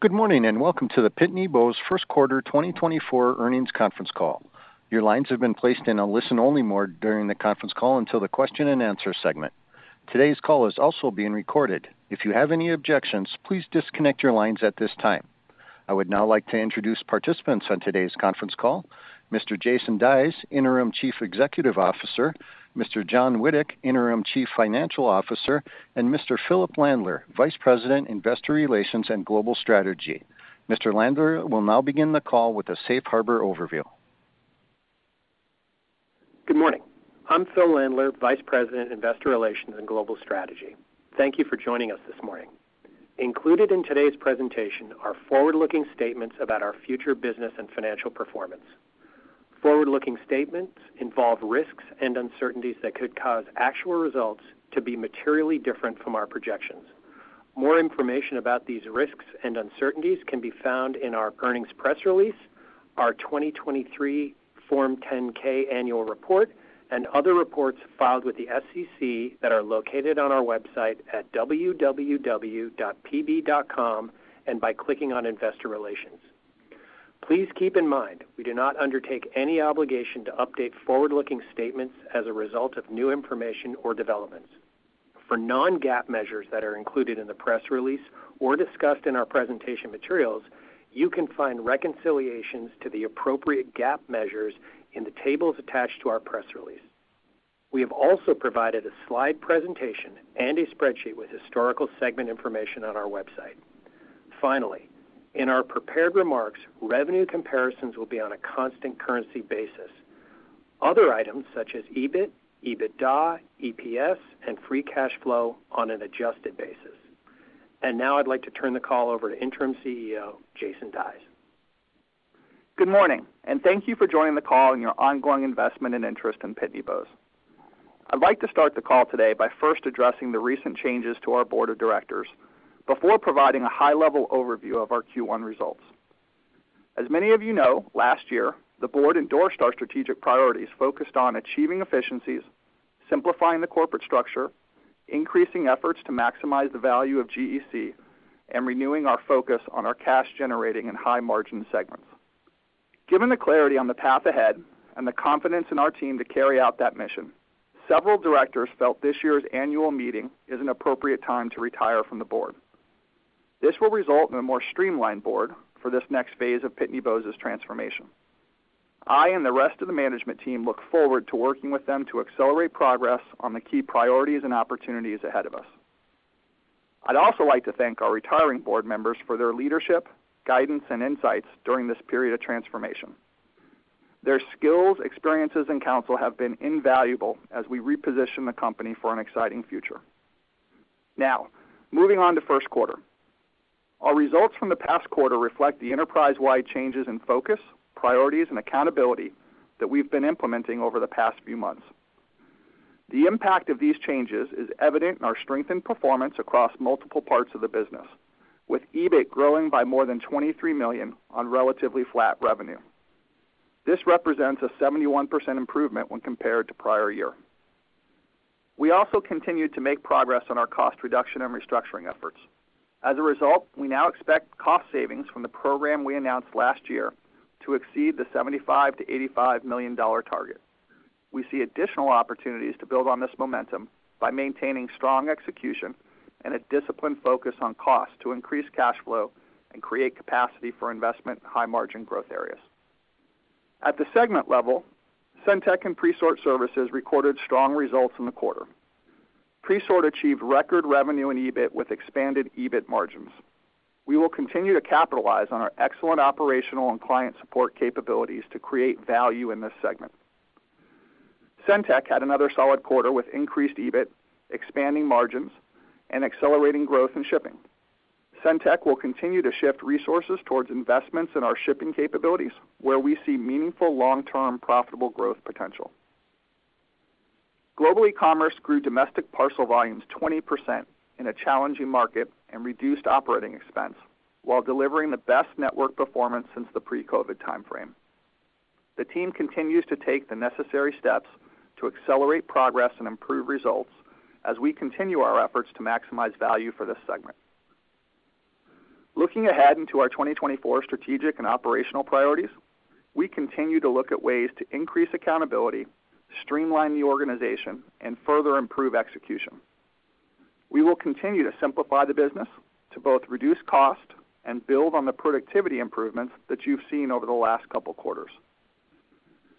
Good morning, and welcome to the Pitney Bowes Q1 2024 earnings conference call. Your lines have been placed in a listen-only mode during the conference call until the question-and-answer segment. Today's call is also being recorded. If you have any objections, please disconnect your lines at this time. I would now like to introduce participants on today's conference call: Mr. Jason Dies, Interim Chief Executive Officer, Mr. John Witek, Interim Chief Financial Officer, and Mr. Philip Landler, Vice President, Investor Relations and Global Strategy. Mr. Landler will now begin the call with a safe harbor overview. Good morning. I'm Phil Landler, Vice President, Investor Relations and Global Strategy. Thank you for joining us this morning. Included in today's presentation are forward-looking statements about our future business and financial performance. Forward-looking statements involve risks and uncertainties that could cause actual results to be materially different from our projections. More information about these risks and uncertainties can be found in our earnings press release, our 2023 Form 10-K annual report, and other reports filed with the SEC that are located on our website at www.pb.com, and by clicking on Investor Relations. Please keep in mind, we do not undertake any obligation to update forward-looking statements as a result of new information or developments. For non-GAAP measures that are included in the press release or discussed in our presentation materials, you can find reconciliations to the appropriate GAAP measures in the tables attached to our press release. We have also provided a slide presentation and a spreadsheet with historical segment information on our website. Finally, in our prepared remarks, revenue comparisons will be on a constant currency basis. Other items, such as EBIT, EBITDA, EPS, and free cash flow, on an adjusted basis. Now I'd like to turn the call over to Interim CEO, Jason Dies. Good morning, and thank you for joining the call and your ongoing investment and interest in Pitney Bowes. I'd like to start the call today by first addressing the recent changes to our board of directors before providing a high-level overview of our Q1 results. As many of you know, last year, the board endorsed our strategic priorities focused on achieving efficiencies, simplifying the corporate structure, increasing efforts to maximize the value of GEC, and renewing our focus on our cash-generating and high-margin segments. Given the clarity on the path ahead and the confidence in our team to carry out that mission, several directors felt this year's annual meeting is an appropriate time to retire from the board. This will result in a more streamlined board for this next phase of Pitney Bowes's transformation. I and the rest of the management team look forward to working with them to accelerate progress on the key priorities and opportunities ahead of us. I'd also like to thank our retiring board members for their leadership, guidance, and insights during this period of transformation. Their skills, experiences, and counsel have been invaluable as we reposition the company for an exciting future. Now, moving on to Q1. Our results from the past quarter reflect the enterprise-wide changes in focus, priorities, and accountability that we've been implementing over the past few months. The impact of these changes is evident in our strengthened performance across multiple parts of the business, with EBIT growing by more than $23 million on relatively flat revenue. This represents a 71% improvement when compared to prior year. We also continued to make progress on our cost reduction and restructuring efforts. As a result, we now expect cost savings from the program we announced last year to exceed the $75 million-$85 million target. We see additional opportunities to build on this momentum by maintaining strong execution and a disciplined focus on cost to increase cash flow and create capacity for investment in high-margin growth areas. At the segment level, SendTech and Presort Services recorded strong results in the quarter. Presort achieved record revenue and EBIT with expanded EBIT margins. We will continue to capitalize on our excellent operational and client support capabilities to create value in this segment. SendTech had another solid quarter with increased EBIT, expanding margins, and accelerating growth in shipping. SendTech will continue to shift resources towards investments in our shipping capabilities, where we see meaningful long-term profitable growth potential. Global Ecommerce grew domestic parcel volumes 20% in a challenging market and reduced operating expense while delivering the best network performance since the pre-COVID timeframe. The team continues to take the necessary steps to accelerate progress and improve results as we continue our efforts to maximize value for this segment. Looking ahead into our 2024 strategic and operational priorities, we continue to look at ways to increase accountability, streamline the organization, and further improve execution. We will continue to simplify the business to both reduce cost and build on the productivity improvements that you've seen over the last couple quarters.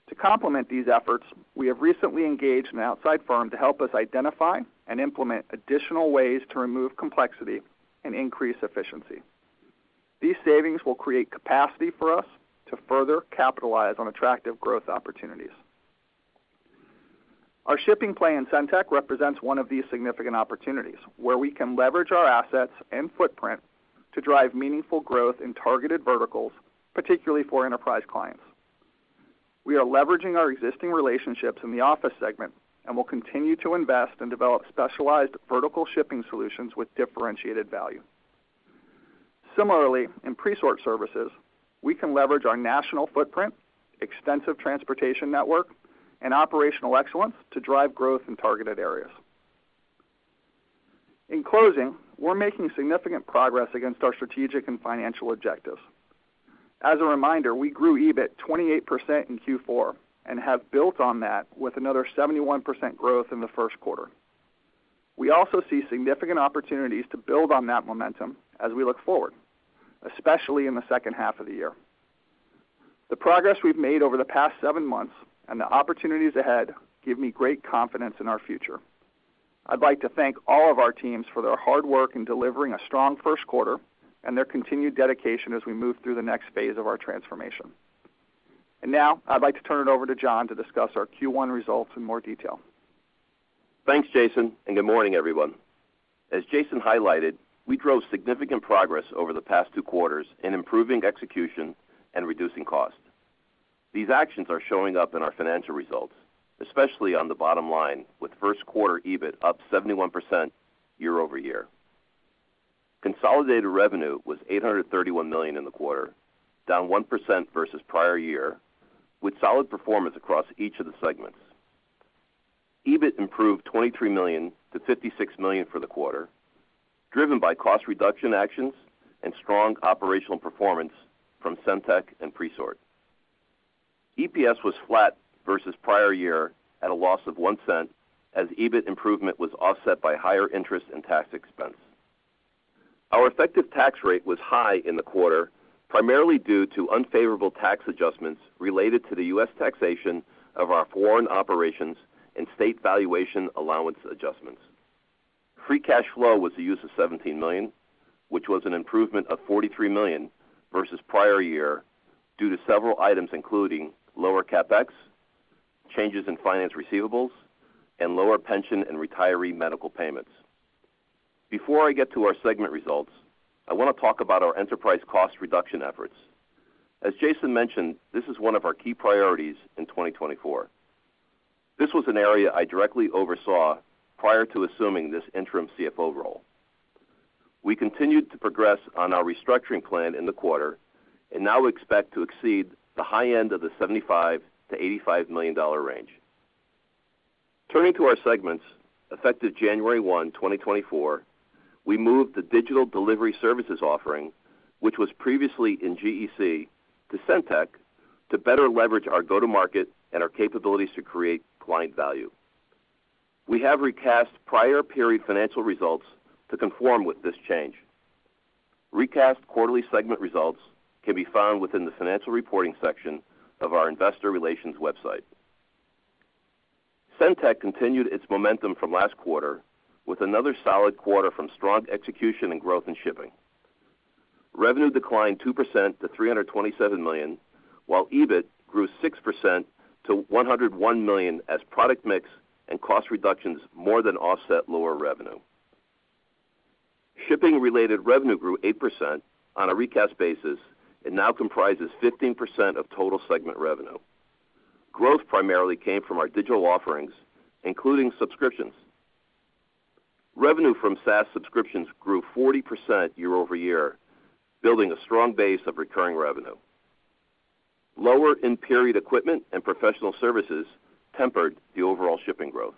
To complement these efforts, we have recently engaged an outside firm to help us identify and implement additional ways to remove complexity and increase efficiency. These savings will create capacity for us to further capitalize on attractive growth opportunities. Our shipping play in SendTech represents one of these significant opportunities, where we can leverage our assets and footprint to drive meaningful growth in targeted verticals, particularly for enterprise clients. We are leveraging our existing relationships in the office segment and will continue to invest and develop specialized vertical shipping solutions with differentiated value. Similarly, in Presort Services, we can leverage our national footprint, extensive transportation network, and operational excellence to drive growth in targeted areas. In closing, we're making significant progress against our strategic and financial objectives. As a reminder, we grew EBIT 28% in Q4, and have built on that with another 71% growth in the first quarter. We also see significant opportunities to build on that momentum as we look forward, especially in the second half of the year. The progress we've made over the past seven months and the opportunities ahead give me great confidence in our future. I'd like to thank all of our teams for their hard work in delivering a strong Q1 and their continued dedication as we move through the next phase of our transformation. Now I'd like to turn it over to John to discuss our Q1 results in more detail. Thanks, Jason, and good morning, everyone. As Jason highlighted, we drove significant progress over the past two quarters in improving execution and reducing costs. These actions are showing up in our financial results, especially on the bottom line, with Q1 EBIT up 71% year-over-year. Consolidated revenue was $831 million in the quarter, down 1% versus prior year, with solid performance across each of the segments. EBIT improved $23 million-$56 million for the quarter, driven by cost reduction actions and strong operational performance from SendTech and Presort. EPS was flat versus prior year at a loss of $0.01, as EBIT improvement was offset by higher interest and tax expense. Our effective tax rate was high in the quarter, primarily due to unfavorable tax adjustments related to the U.S. taxation of our foreign operations and state valuation allowance adjustments. Free cash flow was the use of $17 million, which was an improvement of $43 million versus prior year, due to several items, including lower CapEx, changes in finance receivables, and lower pension and retiree medical payments. Before I get to our segment results, I want to talk about our enterprise cost reduction efforts. As Jason mentioned, this is one of our key priorities in 2024. This was an area I directly oversaw prior to assuming this interim CFO role. We continued to progress on our restructuring plan in the quarter and now expect to exceed the high end of the $75 million-$85 million range. Turning to our segments, effective January 1, 2024, we moved the Digital Delivery Services offering, which was previously in GEC, to SendTech, to better leverage our go-to-market and our capabilities to create client value. We have recast prior period financial results to conform with this change. Recast quarterly segment results can be found within the financial reporting section of our investor relations website. SendTech continued its momentum from last quarter with another solid quarter from strong execution and growth in shipping. Revenue declined 2% to $327 million, while EBIT grew 6% to $101 million, as product mix and cost reductions more than offset lower revenue. Shipping-related revenue grew 8% on a recast basis and now comprises 15% of total segment revenue. Growth primarily came from our digital offerings, including subscriptions. Revenue from SaaS subscriptions grew 40% year-over-year, building a strong base of recurring revenue. Lower in-period equipment and professional services tempered the overall shipping growth.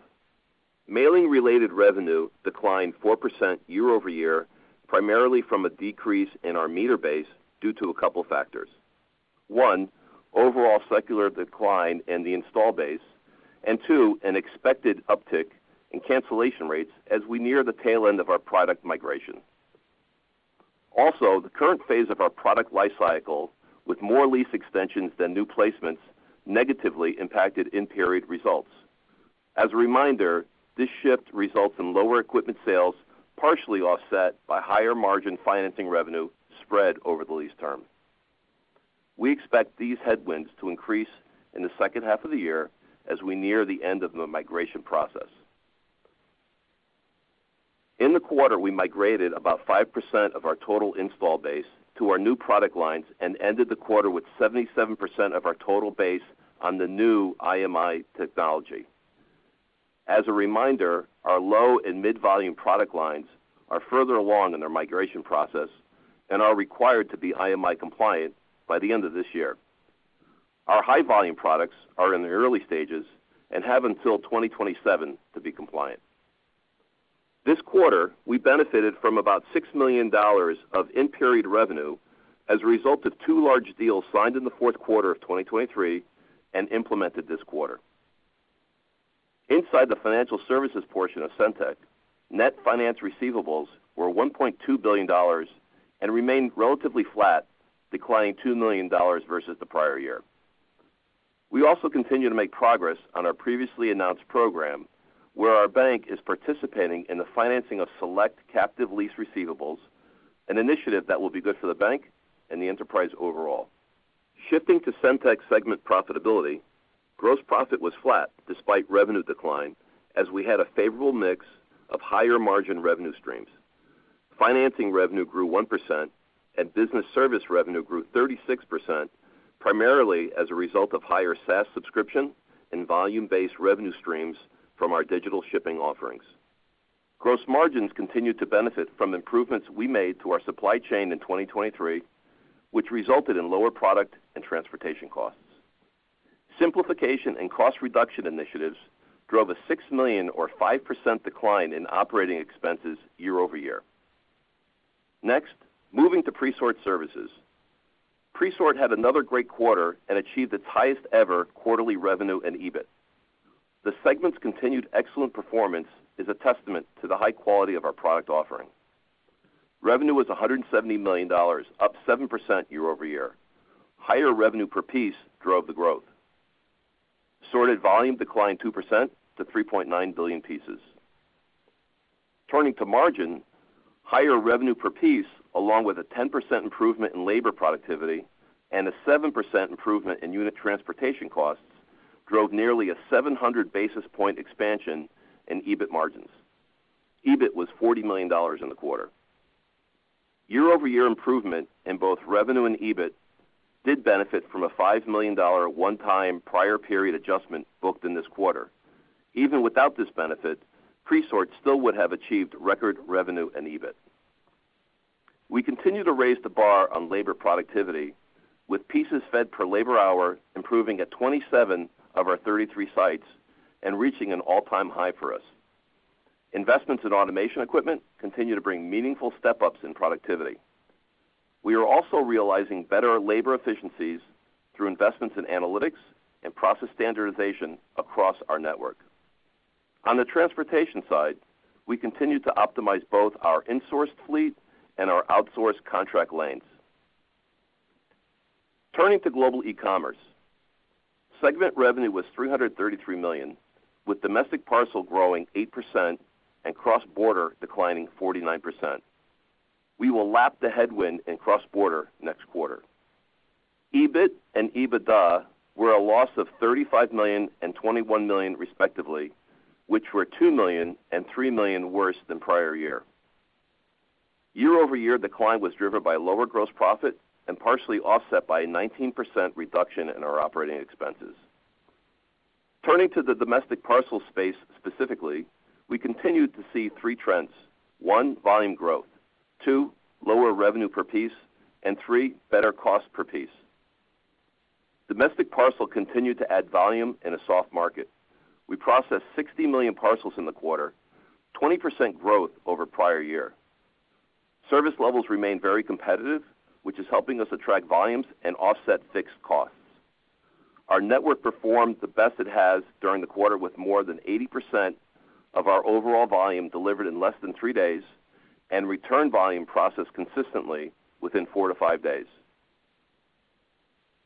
Mailing-related revenue declined 4% year-over-year, primarily from a decrease in our meter base due to a couple factors. One, overall secular decline in the install base, and two, an expected uptick in cancellation rates as we near the tail end of our product migration. Also, the current phase of our product life cycle, with more lease extensions than new placements, negatively impacted in-period results. As a reminder, this shift results in lower equipment sales, partially offset by higher margin financing revenue spread over the lease term. We expect these headwinds to increase in the second half of the year as we near the end of the migration process. In the quarter, we migrated about 5% of our total install base to our new product lines and ended the quarter with 77% of our total base on the new IMI technology. As a reminder, our low and mid-volume product lines are further along in their migration process and are required to be IMI compliant by the end of this year. Our high-volume products are in the early stages and have until 2027 to be compliant. This quarter, we benefited from about $6 million of in-period revenue as a result of two large deals signed in the Q4 of 2023 and implemented this quarter. Inside the financial services portion of SendTech, net finance receivables were $1.2 billion and remained relatively flat, declining $2 million versus the prior year. We also continue to make progress on our previously announced program, where our bank is participating in the financing of select captive lease receivables, an initiative that will be good for the bank and the enterprise overall. Shifting to SendTech segment profitability, gross profit was flat despite revenue decline, as we had a favorable mix of higher margin revenue streams. Financing revenue grew 1%, and business service revenue grew 36%, primarily as a result of higher SaaS subscription and volume-based revenue streams from our digital shipping offerings. Gross margins continued to benefit from improvements we made to our supply chain in 2023, which resulted in lower product and transportation costs. Simplification and cost reduction initiatives drove a $6 million or 5% decline in operating expenses year-over-year. Next, moving to Presort Services. Presort had another great quarter and achieved its highest ever quarterly revenue and EBIT. The segment's continued excellent performance is a testament to the high quality of our product offering. Revenue was $170 million, up 7% year-over-year. Higher revenue per piece drove the growth. Sorted volume declined 2% to 3.9 billion pieces. Turning to margin, higher revenue per piece, along with a 10% improvement in labor productivity and a 7% improvement in unit transportation costs, drove nearly a 700 basis point expansion in EBIT margins. EBIT was $40 million in the quarter. Year-over-year improvement in both revenue and EBIT did benefit from a $5 million one-time prior period adjustment booked in this quarter. Even without this benefit, Presort still would have achieved record revenue and EBIT. We continue to raise the bar on labor productivity, with pieces fed per labor hour improving at 27 of our 33 sites and reaching an all-time high for us. Investments in automation equipment continue to bring meaningful step-ups in productivity. We are also realizing better labor efficiencies through investments in analytics and process standardization across our network. On the transportation side, we continue to optimize both our insourced fleet and our outsourced contract lanes. Turning to Global Ecommerce. Segment revenue was $333 million, with domestic parcel growing 8% and cross-border declining 49%. We will lap the headwind in cross-border next quarter. EBIT and EBITDA were a loss of $35 million and $21 million, respectively, which were $2 million and $3 million worse than prior year. Year-over-year decline was driven by lower gross profit and partially offset by a 19% reduction in our operating expenses. Turning to the domestic parcel space specifically, we continued to see three trends: one, volume growth, two, lower revenue per piece, and three, better cost per piece. Domestic parcel continued to add volume in a soft market. We processed 60 million parcels in the quarter, 20% growth over prior year. Service levels remain very competitive, which is helping us attract volumes and offset fixed costs. Our network performed the best it has during the quarter, with more than 80% of our overall volume delivered in less than three days and return volume processed consistently within four-five days.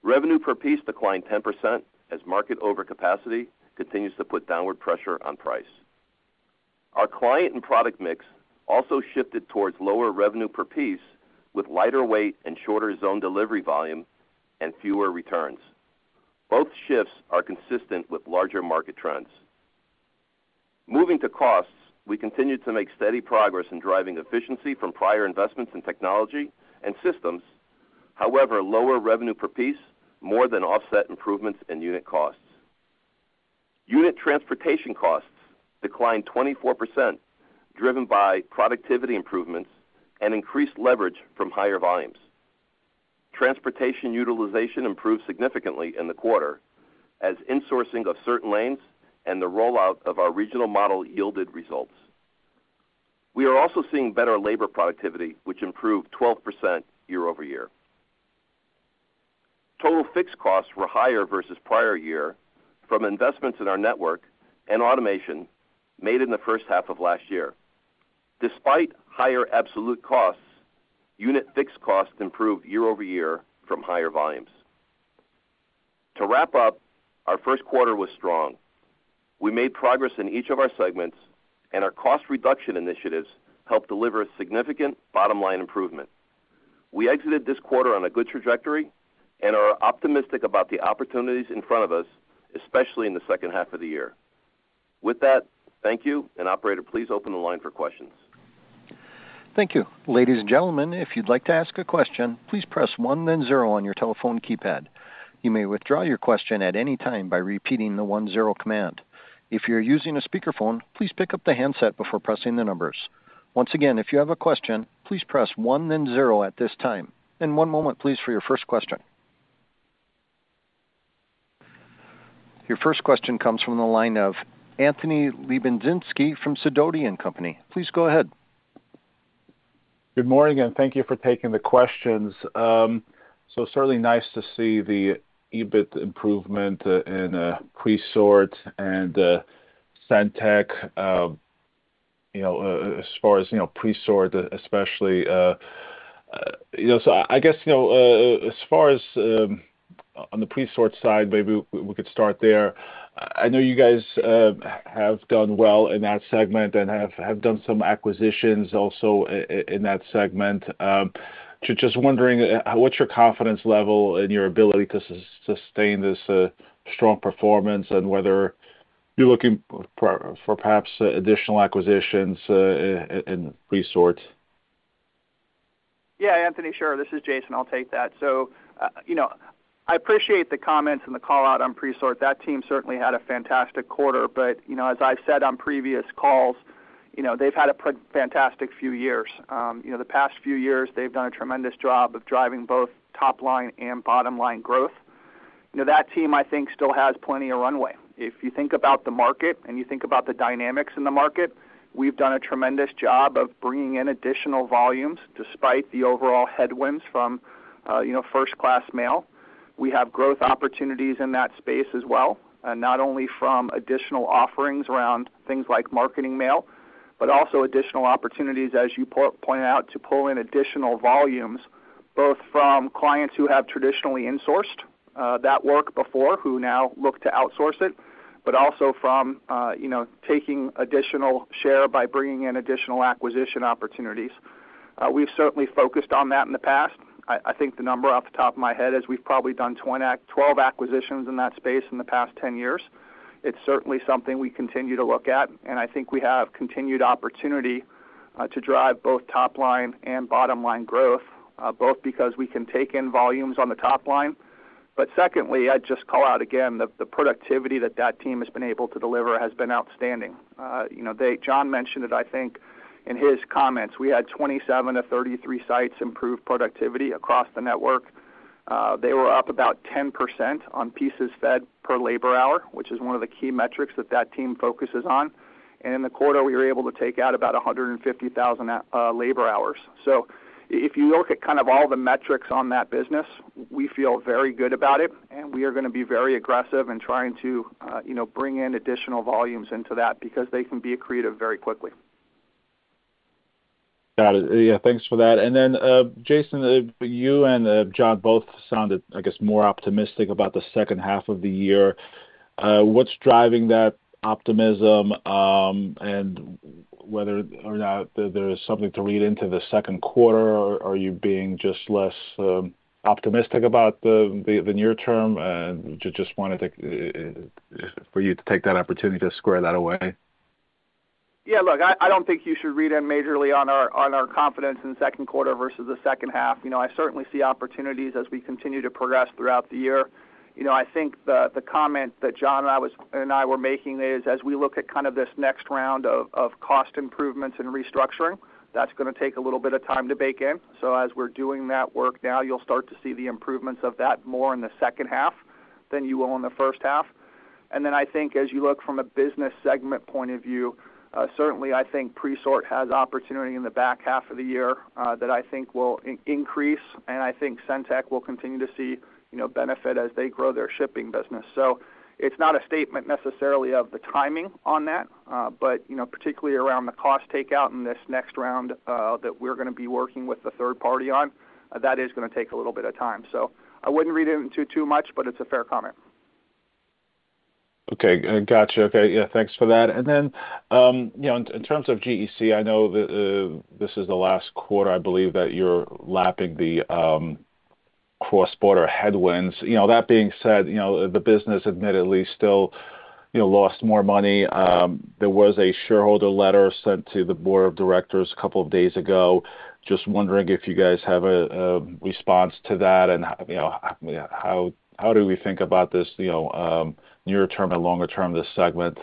Revenue per piece declined 10% as market overcapacity continues to put downward pressure on price. Our client and product mix also shifted towards lower revenue per piece, with lighter weight and shorter zone delivery volume and fewer returns. Both shifts are consistent with larger market trends. Moving to costs, we continued to make steady progress in driving efficiency from prior investments in technology and systems. However, lower revenue per piece more than offset improvements in unit costs. Unit transportation costs declined 24%, driven by productivity improvements and increased leverage from higher volumes. Transportation utilization improved significantly in the quarter as insourcing of certain lanes and the rollout of our regional model yielded results. We are also seeing better labor productivity, which improved 12% year-over-year. Total fixed costs were higher versus prior year from investments in our network and automation made in the first half of last year. Despite higher absolute costs, unit fixed costs improved year-over-year from higher volumes. To wrap up, our Q1 was strong. We made progress in each of our segments, and our cost reduction initiatives helped deliver a significant bottom line improvement. We exited this quarter on a good trajectory and are optimistic about the opportunities in front of us, especially in the second half of the year. With that, thank you, and operator, please open the line for questions. Thank you. Ladies and gentlemen, if you'd like to ask a question, please press one, then zero on your telephone keypad. You may withdraw your question at any time by repeating the one-zero command. If you're using a speakerphone, please pick up the handset before pressing the numbers. Once again, if you have a question, please press one, then zero at this time. One moment, please, for your first question. Your first question comes from the line of Anthony Lebiedzinski from Sidoti & Company. Please go ahead. Good morning, and thank you for taking the questions. So certainly nice to see the EBIT improvement in Presort and SendTech. You know, as far as, you know, Presort especially, you know. So I guess, you know, as far as on the Presort side, maybe we could start there. I know you guys have done well in that segment and have done some acquisitions also in that segment. Just wondering what's your confidence level in your ability to sustain this strong performance and whether you're looking for perhaps additional acquisitions in Presort? Yeah, Anthony, sure. This is Jason. I'll take that. So, you know, I appreciate the comments and the call out on Presort. That team certainly had a fantastic quarter, but, you know, as I've said on previous calls, you know, they've had a fantastic few years. You know, the past few years, they've done a tremendous job of driving both top line and bottom line growth. You know, that team, I think, still has plenty of runway. If you think about the market, and you think about the dynamics in the market, we've done a tremendous job of bringing in additional volumes despite the overall headwinds from, you know, first-class mail. We have growth opportunities in that space as well, and not only from additional offerings around things like marketing mail, but also additional opportunities, as you pointed out, to pull in additional volumes, both from clients who have traditionally insourced that work before, who now look to outsource it, but also from, you know, taking additional share by bringing in additional acquisition opportunities. We've certainly focused on that in the past. I think the number off the top of my head is we've probably done 12 acquisitions in that space in the past 10 years. It's certainly something we continue to look at, and I think we have continued opportunity to drive both top line and bottom line growth, both because we can take in volumes on the top line. But secondly, I'd just call out again, the productivity that that team has been able to deliver has been outstanding. You know, they, John mentioned it, I think, in his comments. We had 27 of 33 sites improve productivity across the network. They were up about 10% on pieces fed per labor hour, which is one of the key metrics that that team focuses on. And in the quarter, we were able to take out about 150,000 labor hours. So if you look at kind of all the metrics on that business, we feel very good about it, and we are gonna be very aggressive in trying to, you know, bring in additional volumes into that because they can be accretive very quickly. Got it. Yeah, thanks for that. And then, Jason, you and John both sounded, I guess, more optimistic about the second half of the year. What's driving that optimism? And whether or not there is something to read into the Q2, or are you being just less optimistic about the near term? And just wanted to for you to take that opportunity to square that away. Yeah, look, I don't think you should read in majorly on our confidence in the Q2 versus the second half. You know, I certainly see opportunities as we continue to progress throughout the year. You know, I think the comment that John and I were making is, as we look at kind of this next round of cost improvements and restructuring, that's gonna take a little bit of time to bake in. So as we're doing that work now, you'll start to see the improvements of that more in the second half than you will in the first half. And then I think as you look from a business segment point of view, certainly I think Presort has opportunity in the back half of the year, that I think will increase, and I think SendTech will continue to see, you know, benefit as they grow their shipping business. So it's not a statement necessarily of the timing on that, but, you know, particularly around the cost takeout in this next round, that we're gonna be working with the third party on, that is gonna take a little bit of time. So I wouldn't read into it too much, but it's a fair comment. Okay, gotcha. Okay, yeah, thanks for that. And then, you know, in terms of GEC, I know this is the last quarter, I believe, that you're lapping the cross-border headwinds. You know, that being said, you know, the business admittedly still, you know, lost more money. There was a shareholder letter sent to the board of directors a couple of days ago. Just wondering if you guys have a response to that, and, you know, how do we think about this, you know, near term and longer term, this segment?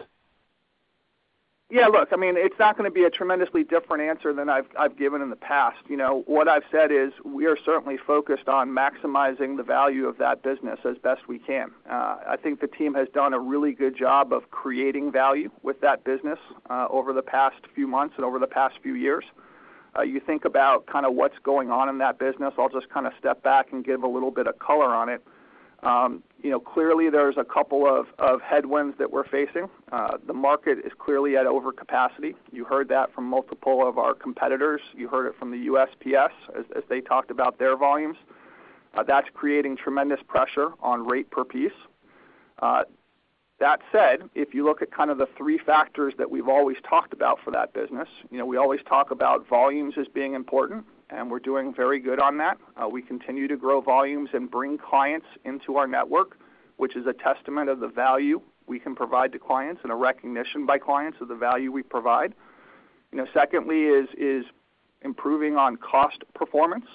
Yeah, look, I mean, it's not gonna be a tremendously different answer than I've given in the past. You know, what I've said is we are certainly focused on maximizing the value of that business as best we can. I think the team has done a really good job of creating value with that business, over the past few months and over the past few years. You think about kinda what's going on in that business, I'll just kinda step back and give a little bit of color on it. You know, clearly there's a couple of headwinds that we're facing. The market is clearly at overcapacity. You heard that from multiple of our competitors. You heard it from the USPS as they talked about their volumes. That's creating tremendous pressure on rate per piece. That said, if you look at kind of the three factors that we've always talked about for that business, you know, we always talk about volumes as being important, and we're doing very good on that. We continue to grow volumes and bring clients into our network, which is a testament of the value we can provide to clients and a recognition by clients of the value we provide. You know, secondly is improving on cost performance.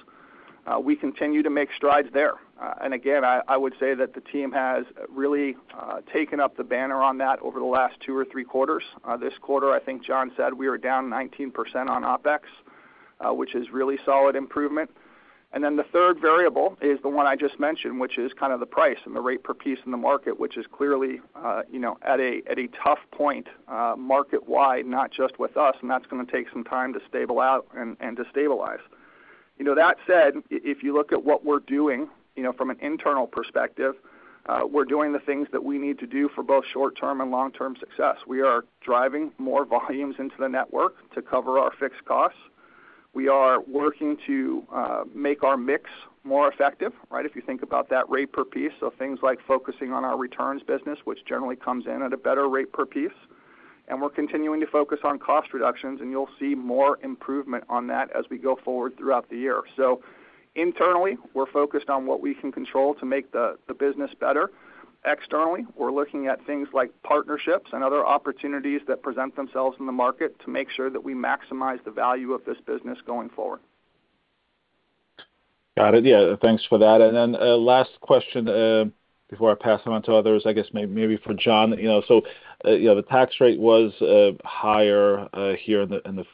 We continue to make strides there. And again, I would say that the team has really taken up the banner on that over the last two or three quarters. This quarter, I think John said we are down 19% on OpEx, which is really solid improvement. And then the third variable is the one I just mentioned, which is kind of the price and the rate per piece in the market, which is clearly, you know, at a, at a tough point, market-wide, not just with us, and that's gonna take some time to stabilize out and to stabilize. You know, that said, if you look at what we're doing, you know, from an internal perspective, we're doing the things that we need to do for both short-term and long-term success. We are driving more volumes into the network to cover our fixed costs. We are working to make our mix more effective, right? If you think about that rate per piece, so things like focusing on our returns business, which generally comes in at a better rate per piece. We're continuing to focus on cost reductions, and you'll see more improvement on that as we go forward throughout the year. Internally, we're focused on what we can control to make the business better. Externally, we're looking at things like partnerships and other opportunities that present themselves in the market to make sure that we maximize the value of this business going forward.... Got it. Yeah, thanks for that. And then, last question, before I pass them on to others, I guess maybe for John. You know, so, you know, the tax rate was higher here in the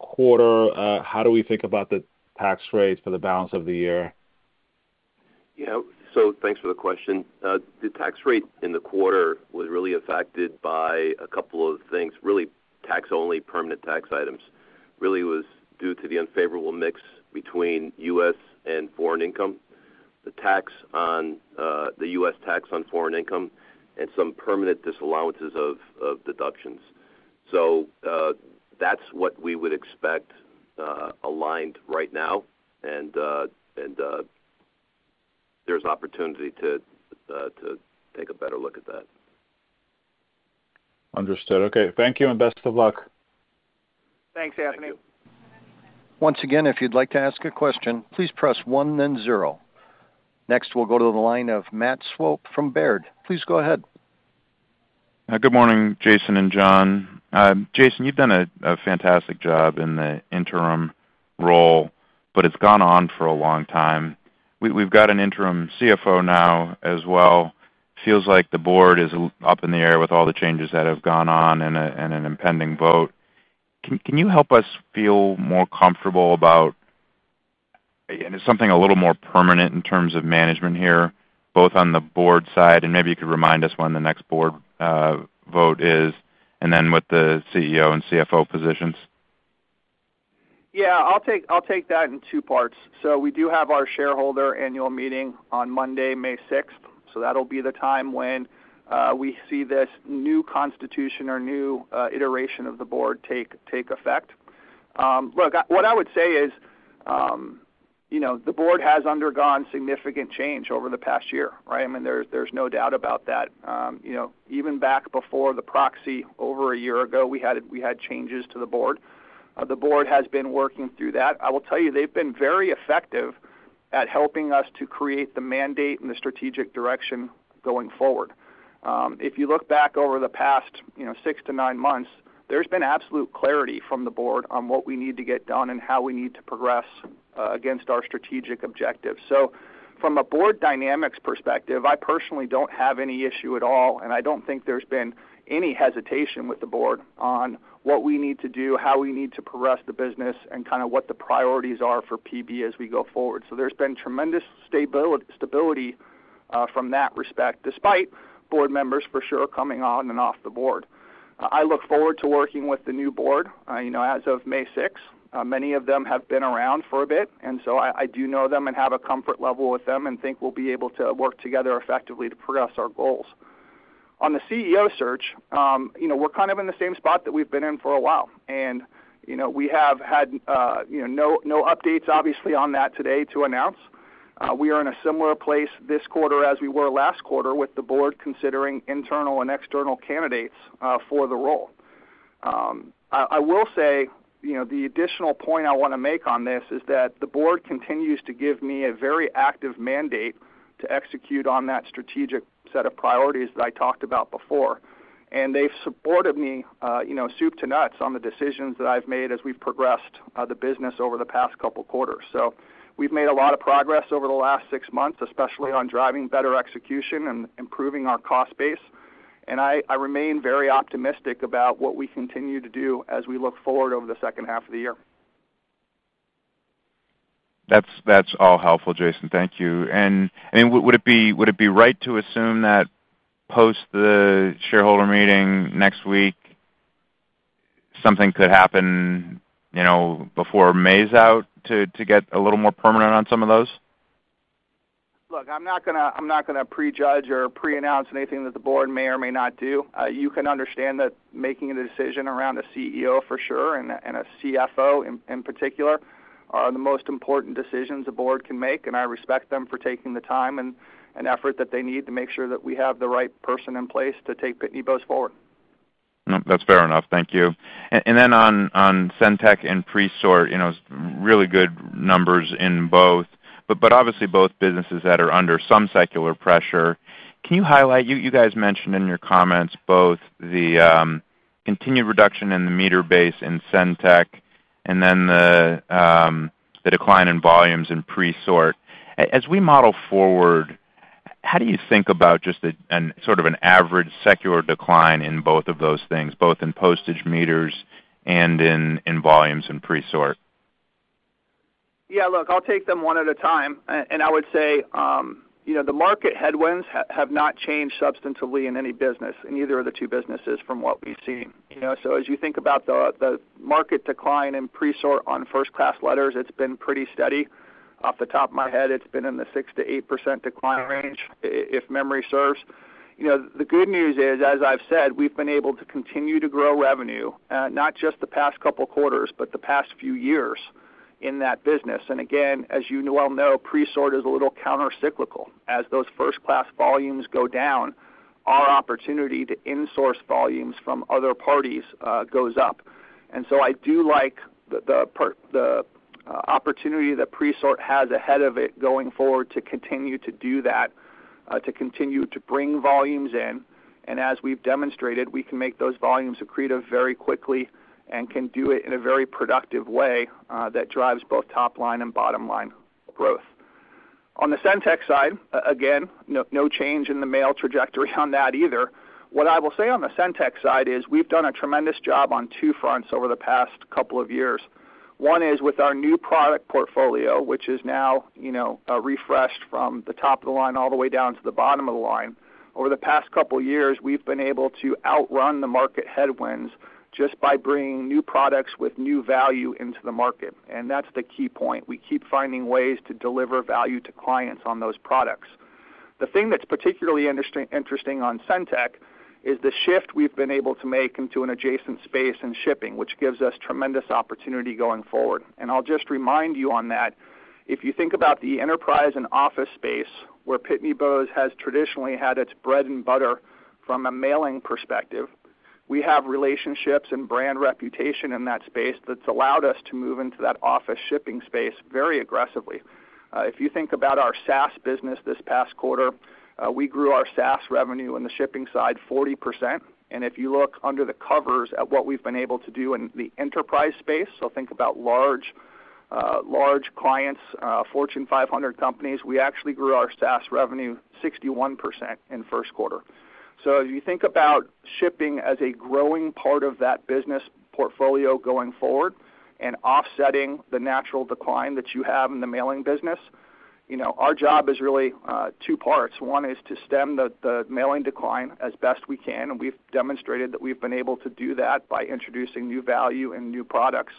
Q1. How do we think about the tax rate for the balance of the year? Yeah. So thanks for the question. The tax rate in the quarter was really affected by a couple of things, really tax-only permanent tax items, really was due to the unfavorable mix between U.S. and foreign income, the tax on the U.S. tax on foreign income, and some permanent disallowances of deductions. So, that's what we would expect, aligned right now, and there's opportunity to take a better look at that. Understood. Okay. Thank you, and best of luck. Thanks, Anthony. Once again, if you'd like to ask a question, please press one, then zero. Next, we'll go to the line of Matt Swope from Baird. Please go ahead. Good morning, Jason and John. Jason, you've done a fantastic job in the interim role, but it's gone on for a long time. We've got an interim CFO now as well. Feels like the board is up in the air with all the changes that have gone on and an impending vote. Can you help us feel more comfortable about, and is something a little more permanent in terms of management here, both on the board side, and maybe you could remind us when the next board vote is, and then with the CEO and CFO positions? Yeah, I'll take, I'll take that in two parts. So we do have our shareholder annual meeting on Monday, May sixth. So that'll be the time when we see this new constitution or new iteration of the board take, take effect. Look, I, what I would say is, you know, the board has undergone significant change over the past year, right? I mean, there's, there's no doubt about that. You know, even back before the proxy, over a year ago, we had, we had changes to the board. The board has been working through that. I will tell you, they've been very effective at helping us to create the mandate and the strategic direction going forward. If you look back over the past, you know, six-nine months, there's been absolute clarity from the board on what we need to get done and how we need to progress against our strategic objectives. So from a board dynamics perspective, I personally don't have any issue at all, and I don't think there's been any hesitation with the board on what we need to do, how we need to progress the business, and kind of what the priorities are for PB as we go forward. So there's been tremendous stability from that respect, despite board members for sure coming on and off the board. I look forward to working with the new board, you know, as of May sixth. Many of them have been around for a bit, and so I do know them and have a comfort level with them and think we'll be able to work together effectively to progress our goals. On the CEO search, you know, we're kind of in the same spot that we've been in for a while, and, you know, we have had, you know, no updates, obviously, on that today to announce. We are in a similar place this quarter as we were last quarter with the board considering internal and external candidates for the role. I will say, you know, the additional point I want to make on this is that the board continues to give me a very active mandate to execute on that strategic set of priorities that I talked about before. They've supported me, you know, soup to nuts on the decisions that I've made as we've progressed the business over the past couple quarters. We've made a lot of progress over the last six months, especially on driving better execution and improving our cost base. I remain very optimistic about what we continue to do as we look forward over the second half of the year. That's all helpful, Jason. Thank you. Would it be right to assume that post the shareholder meeting next week, something could happen, you know, before May's out to get a little more permanent on some of those? Look, I'm not gonna, I'm not gonna prejudge or preannounce anything that the board may or may not do. You can understand that making a decision around a CEO, for sure, and a CFO, in particular, are the most important decisions a board can make, and I respect them for taking the time and effort that they need to make sure that we have the right person in place to take Pitney Bowes forward. No, that's fair enough. Thank you. And then on SendTech and Presort, you know, really good numbers in both, but obviously both businesses that are under some secular pressure. Can you highlight... You guys mentioned in your comments both the continued reduction in the meter base in SendTech and then the decline in volumes in Presort. As we model forward, how do you think about just the, an, sort of an average secular decline in both of those things, both in postage meters and in volumes in Presort? Yeah, look, I'll take them one at a time. And I would say, you know, the market headwinds have not changed substantively in any business, in either of the two businesses from what we've seen. You know, so as you think about the market decline in Presort on first-class letters, it's been pretty steady. Off the top of my head, it's been in the 6%-8% decline range, if memory serves. You know, the good news is, as I've said, we've been able to continue to grow revenue, not just the past couple quarters, but the past few years in that business. And again, as you well know, Presort is a little countercyclical. As those first-class volumes go down, our opportunity to insource volumes from other parties goes up. And so I do like the opportunity that Presort has ahead of it going forward to continue to do that to continue to bring volumes in, and as we've demonstrated, we can make those volumes accretive very quickly and can do it in a very productive way that drives both top line and bottom line growth. On the SendTech side, again, no change in the mail trajectory on that either. What I will say on the SendTech side is we've done a tremendous job on two fronts over the past couple of years. One is with our new product portfolio, which is now, you know, refreshed from the top of the line all the way down to the bottom of the line. Over the past couple years, we've been able to outrun the market headwinds just by bringing new products with new value into the market, and that's the key point. We keep finding ways to deliver value to clients on those products. The thing that's particularly interesting on SendTech is the shift we've been able to make into an adjacent space in shipping, which gives us tremendous opportunity going forward. And I'll just remind you on that, if you think about the enterprise and office space, where Pitney Bowes has traditionally had its bread and butter from a mailing perspective, we have relationships and brand reputation in that space that's allowed us to move into that office shipping space very aggressively. If you think about our SaaS business this past quarter, we grew our SaaS revenue in the shipping side 40%. If you look under the covers at what we've been able to do in the enterprise space, so think about large, large clients, Fortune 500 companies, we actually grew our SaaS revenue 61% in Q1. So as you think about shipping as a growing part of that business portfolio going forward and offsetting the natural decline that you have in the mailing business, you know, our job is really, two parts. One is to stem the mailing decline as best we can, and we've demonstrated that we've been able to do that by introducing new value and new products.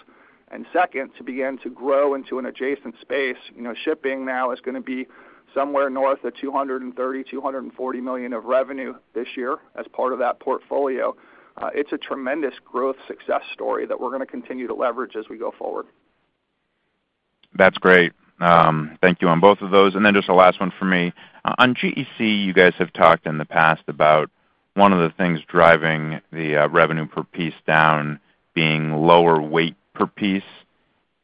And second, to begin to grow into an adjacent space. You know, shipping now is gonna be somewhere north of $230 million-$240 million of revenue this year as part of that portfolio. It's a tremendous growth success story that we're gonna continue to leverage as we go forward. That's great. Thank you on both of those. And then just a last one for me. On GEC, you guys have talked in the past about one of the things driving the revenue per piece down being lower weight per piece.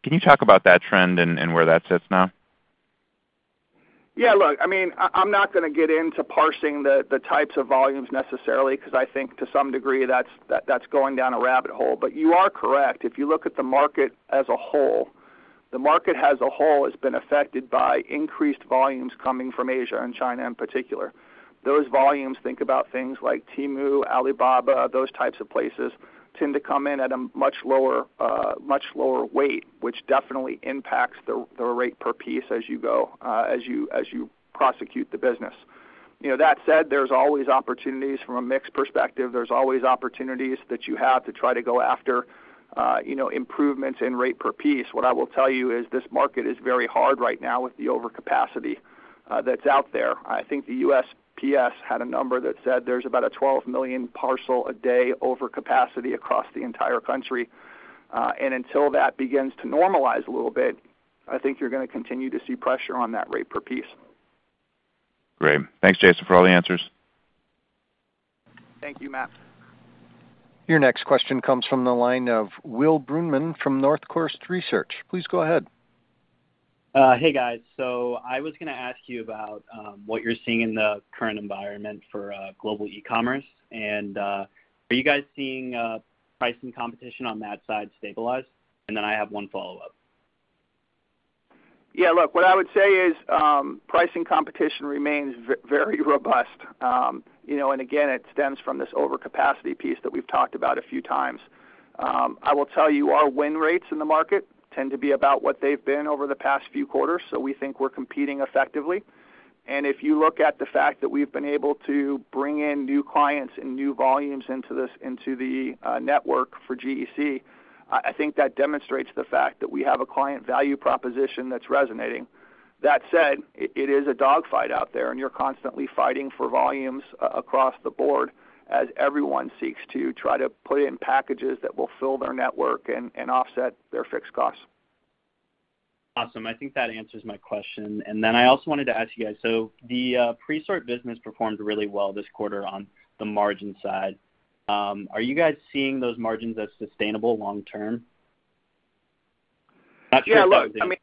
Can you talk about that trend and, and where that sits now? Yeah, look, I mean, I'm not gonna get into parsing the types of volumes necessarily, 'cause I think to some degree, that's going down a rabbit hole. But you are correct. If you look at the market as a whole, the market as a whole has been affected by increased volumes coming from Asia, and China in particular. Those volumes, think about things like Temu, Alibaba, those types of places, tend to come in at a much lower weight, which definitely impacts the rate per piece as you go, as you prosecute the business. You know, that said, there's always opportunities from a mix perspective. There's always opportunities that you have to try to go after, you know, improvements in rate per piece. What I will tell you is this market is very hard right now with the overcapacity, that's out there. I think the USPS had a number that said there's about a 12 million parcel a day overcapacity across the entire country. And until that begins to normalize a little bit, I think you're gonna continue to see pressure on that rate per piece. Great. Thanks, Jason, for all the answers. Thank you, Matt. Your next question comes from the line of Will Brunemann from Northcoast Research. Please go ahead. Hey, guys. So I was gonna ask you about what you're seeing in the current environment for global e-commerce, and are you guys seeing pricing competition on that side stabilize? And then I have one follow-up. Yeah, look, what I would say is, pricing competition remains very robust. You know, and again, it stems from this overcapacity piece that we've talked about a few times. I will tell you, our win rates in the market tend to be about what they've been over the past few quarters, so we think we're competing effectively. And if you look at the fact that we've been able to bring in new clients and new volumes into this, into the network for GEC, I think that demonstrates the fact that we have a client value proposition that's resonating. That said, it is a dogfight out there, and you're constantly fighting for volumes across the board as everyone seeks to try to put in packages that will fill their network and offset their fixed costs. Awesome. I think that answers my question. And then I also wanted to ask you guys, so the Presort business performed really well this quarter on the margin side. Are you guys seeing those margins as sustainable long term? Yeah, look, I mean...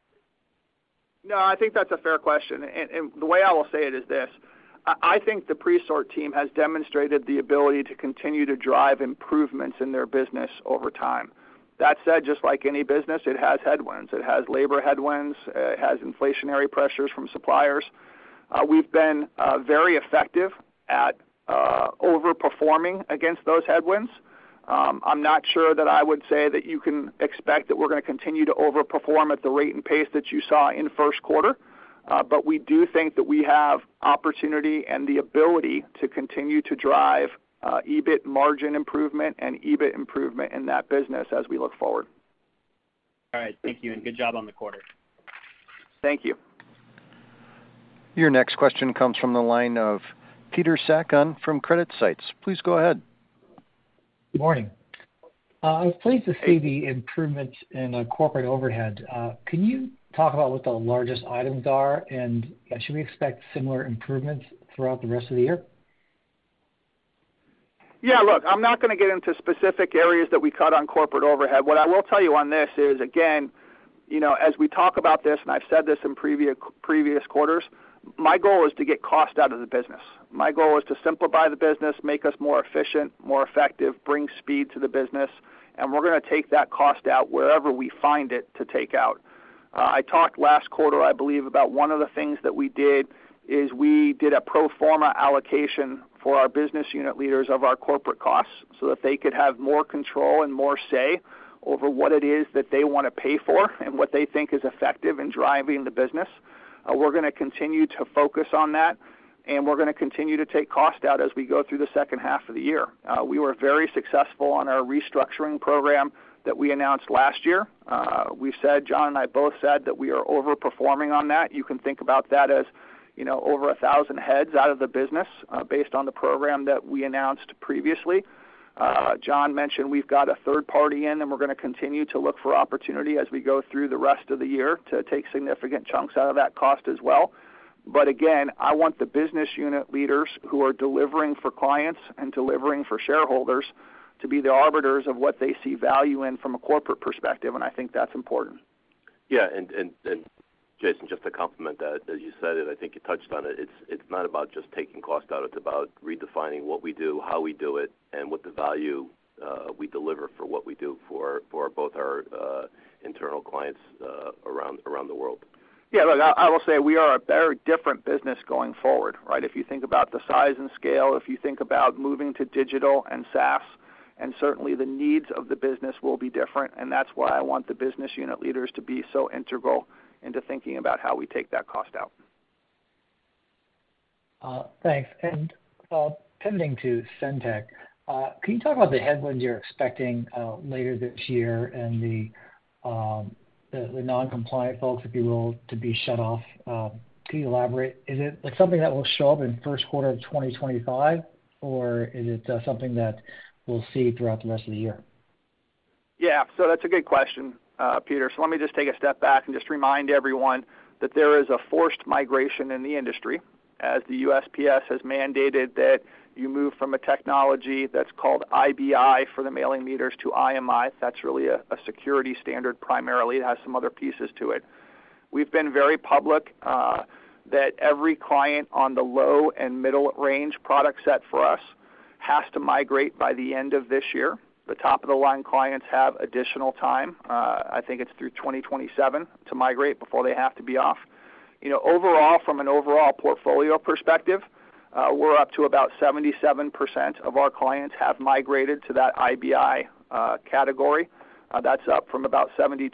No, I think that's a fair question. And the way I will say it is this: I think the Presort team has demonstrated the ability to continue to drive improvements in their business over time. That said, just like any business, it has headwinds. It has labor headwinds, it has inflationary pressures from suppliers. We've been very effective at overperforming against those headwinds. I'm not sure that I would say that you can expect that we're gonna continue to overperform at the rate and pace that you saw in the Q1, but we do think that we have opportunity and the ability to continue to drive EBIT margin improvement and EBIT improvement in that business as we look forward. All right. Thank you, and good job on the quarter. Thank you. Your next question comes from the line of Peter Sakon from CreditSights. Please go ahead. Good morning. I was pleased to see the improvements in the corporate overhead. Can you talk about what the largest items are, and should we expect similar improvements throughout the rest of the year?... Yeah, look, I'm not gonna get into specific areas that we cut on corporate overhead. What I will tell you on this is, again, you know, as we talk about this, and I've said this in previous, previous quarters, my goal is to get cost out of the business. My goal is to simplify the business, make us more efficient, more effective, bring speed to the business, and we're gonna take that cost out wherever we find it to take out. I talked last quarter, I believe, about one of the things that we did, is we did a pro forma allocation for our business unit leaders of our corporate costs, so that they could have more control and more say over what it is that they wanna pay for and what they think is effective in driving the business. We're gonna continue to focus on that, and we're gonna continue to take cost out as we go through the second half of the year. We were very successful on our restructuring program that we announced last year. We said, John and I both said that we are overperforming on that. You can think about that as, you know, over a thousand heads out of the business, based on the program that we announced previously. John mentioned we've got a third party in, and we're gonna continue to look for opportunity as we go through the rest of the year to take significant chunks out of that cost as well. But again, I want the business unit leaders who are delivering for clients and delivering for shareholders to be the arbiters of what they see value in from a corporate perspective, and I think that's important. Yeah, and Jason, just to complement that, as you said, and I think you touched on it, it's not about just taking cost out. It's about redefining what we do, how we do it, and what the value we deliver for what we do for both our internal clients around the world. Yeah, look, I will say we are a very different business going forward, right? If you think about the size and scale, if you think about moving to digital and SaaS, and certainly, the needs of the business will be different, and that's why I want the business unit leaders to be so integral into thinking about how we take that cost out. Thanks. And tending to SendTech, can you talk about the headwinds you're expecting later this year and the non-compliant folks, if you will, to be shut off? Can you elaborate? Is it, like, something that will show up in Q1 of 2025, or is it something that we'll see throughout the rest of the year? Yeah, so that's a good question, Peter. So let me just take a step back and just remind everyone that there is a forced migration in the industry, as the USPS has mandated that you move from a technology that's called IBI for the mailing meters to IMI. That's really a security standard. Primarily, it has some other pieces to it. We've been very public that every client on the low and middle range product set for us has to migrate by the end of this year. The top-of-the-line clients have additional time, I think it's through 2027, to migrate before they have to be off. You know, overall, from an overall portfolio perspective, we're up to about 77% of our clients have migrated to that IBI category. That's up from about 72%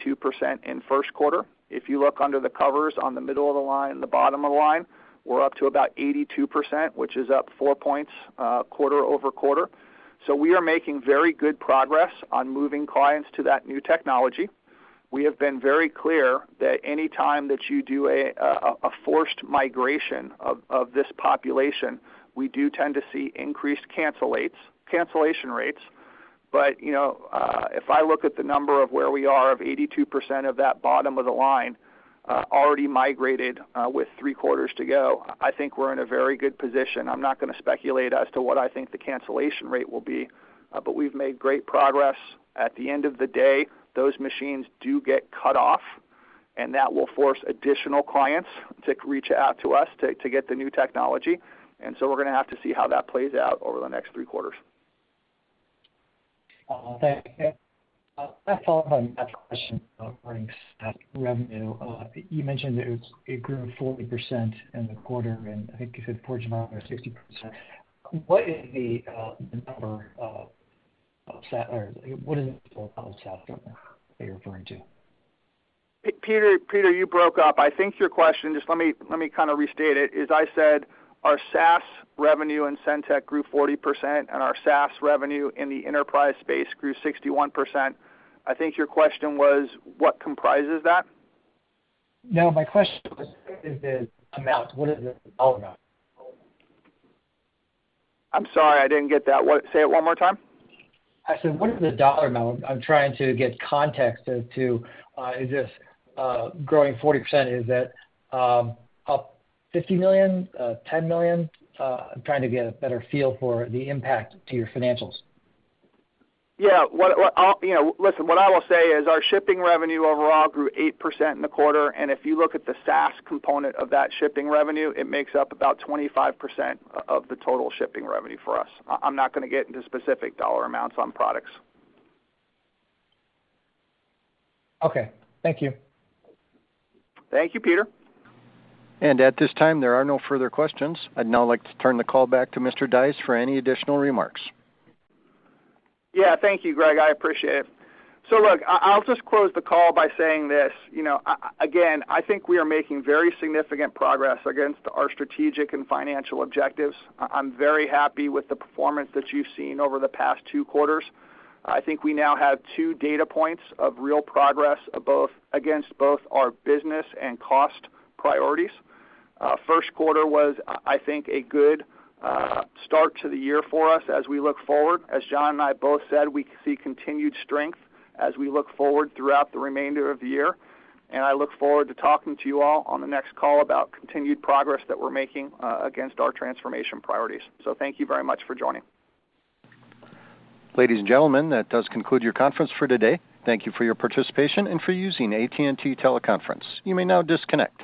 in Q1. If you look under the covers on the middle of the line and the bottom of the line, we're up to about 82%, which is up 4 points quarter-over-quarter. So we are making very good progress on moving clients to that new technology. We have been very clear that any time that you do a forced migration of this population, we do tend to see increased cancellation rates. But, you know, if I look at the number of where we are, of 82% of that bottom of the line already migrated, with three quarters to go, I think we're in a very good position. I'm not gonna speculate as to what I think the cancellation rate will be, but we've made great progress. At the end of the day, those machines do get cut off, and that will force additional clients to reach out to us to get the new technology, and so we're gonna have to see how that plays out over the next three quarters. Thank you. A follow-up on that question regarding SaaS revenue. You mentioned it grew 40% in the quarter, and I think you said quarter to moment, 60%. What is the number of seats or what is it? Peter, Peter, you broke up. I think your question, just let me, let me kind of restate it, is I said our SaaS revenue and SendTech grew 40%, and our SaaS revenue in the enterprise space grew 61%. I think your question was, what comprises that? No, my question was, what is the amount? What is the dollar amount? I'm sorry, I didn't get that. What-- Say it one more time. I said, what is the dollar amount? I'm trying to get context as to, is this, growing 40%, is that, up $50 million, $10 million? I'm trying to get a better feel for the impact to your financials. Yeah, you know, listen, what I will say is our shipping revenue overall grew 8% in the quarter, and if you look at the SaaS component of that shipping revenue, it makes up about 25% of the total shipping revenue for us. I'm not gonna get into specific dollar amounts on products. Okay. Thank you. Thank you, Peter. At this time, there are no further questions. I'd now like to turn the call back to Mr. Dies for any additional remarks. Yeah, thank you, Greg. I appreciate it. So look, I'll just close the call by saying this: You know, again, I think we are making very significant progress against our strategic and financial objectives. I'm very happy with the performance that you've seen over the past two quarters. I think we now have two data points of real progress against both our business and cost priorities. Q1 was, I think, a good start to the year for us as we look forward. As John and I both said, we see continued strength as we look forward throughout the remainder of the year, and I look forward to talking to you all on the next call about continued progress that we're making against our transformation priorities. So thank you very much for joining. Ladies and gentlemen, that does conclude your conference for today. Thank you for your participation and for using AT&T Teleconference. You may now disconnect.